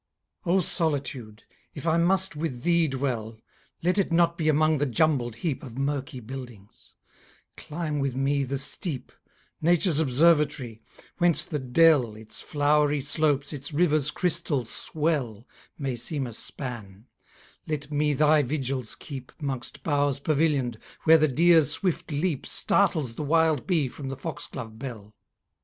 O Solitude! if I must with thee dwell, Let it not be among the jumbled heap Of murky buildings; climb with me the steep, Nature's observatory whence the dell, Its flowery slopes, its river's crystal swell, May seem a span; let me thy vigils keep 'Mongst boughs pavillion'd, where the deer's swift leap Startles the wild bee from the fox glove bell.